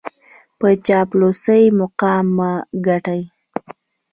په چاپلوسۍ مقام مه ګټئ.